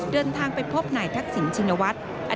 เดินทางไปพบหน่ายทักศิลป์ชินวัตร